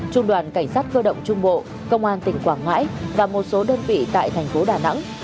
trung đoàn cảnh sát cơ động trung bộ công an tỉnh quảng ngãi và một số đơn vị tại thành phố đà nẵng